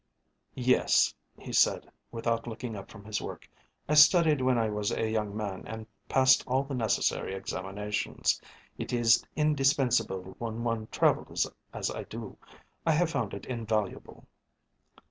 "Yes," he said, without looking up from his work, "I studied when I was a young man and passed all the necessary examinations. It is indispensable when one travels as I do. I have found it invaluable."